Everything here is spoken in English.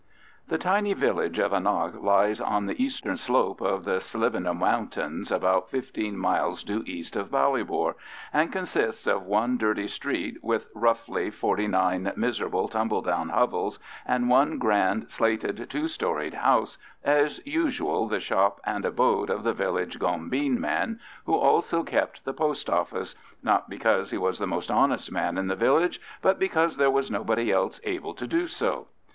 The tiny village of Annagh lies on the eastern slope of the Slievenamoe Mountains, about fifteen miles due east of Ballybor, and consists of one dirty street with, roughly, forty nine miserable tumble down hovels and one grand slated two storied house, as usual the shop and abode of the village gombeen man, who also kept the Post Office—not because he was the most honest man in the village, but because there was nobody else able to do so.